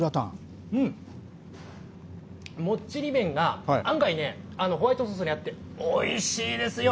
もっちり麺が案外ね、ホワイトソースにあって、おいしいですよ。